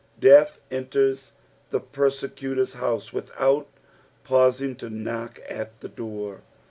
Death enters the persecutor's house without pausing to knock at the door.